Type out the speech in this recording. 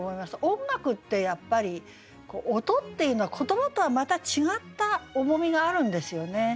音楽ってやっぱり音っていうのは言葉とはまた違った重みがあるんですよね。